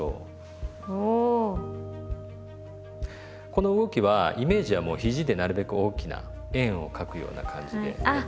この動きはイメージはもうひじでなるべく大きな円を描くような感じでやって下さい。